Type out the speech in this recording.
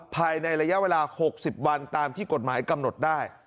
ภายในระยะเวลา๖๐วันตามที่กฎหมายกำหนดได้